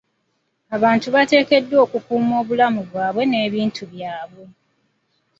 Abantu bateekeddwa okukuuma obulamu bwabwe n'ebintu byabwe.